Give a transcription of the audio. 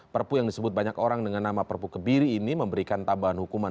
perpu yang disebut banyak orang dengan nama perpu kebiri ini memberikan tambahan hukuman